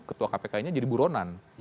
ketua kpk ini jadi buronan